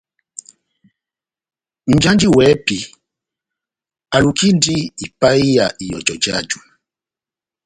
Nʼjanji wɛ́hɛ́pi alukindi ipahiya ihɔjɔ jáju.